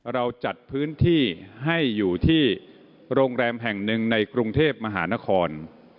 เราจัดพื้นที่ให้อยู่ที่โรงแรมแห่งหนึ่งในกรุงเทพมหานคร